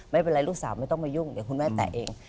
ไม่เป็นไรลูกสาวไม่ต้องมายุ่งเดี๋ยวคุณแม่แตะเอง